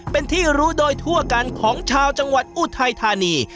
เป็นที่รู้โดยทั่วกันของชาวจังหวัดอุทัยธานี